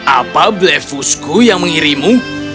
apa blefusku yang mengirimu